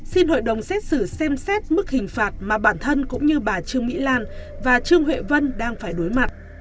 xin hội đồng xét xử xem xét mức hình phạt mà bản thân cũng như bà trương mỹ lan và trương huệ vân đang phải đối mặt